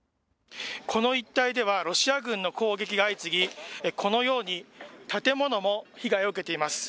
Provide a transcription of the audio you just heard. この一帯ではロシア軍の攻撃が相次ぎ、このように建物も被害を受けています。